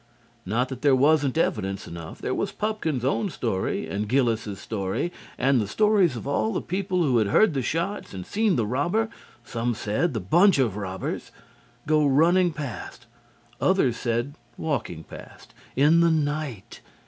Not that there wasn't evidence enough. There was Pupkin's own story and Gillis's story, and the stories of all the people who had heard the shots and seen the robber (some said, the bunch of robbers) go running past (others said, walking past), in the night.